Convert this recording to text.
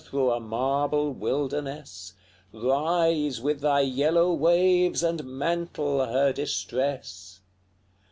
through a marble wilderness? Rise, with thy yellow waves, and mantle her distress!